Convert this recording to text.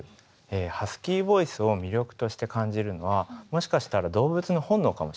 ハスキーボイスを魅力として感じるのはもしかしたら動物の本能かもしれないんですね。